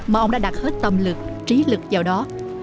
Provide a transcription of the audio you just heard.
mà ông đã đặt hết tâm lực trí lực vào đó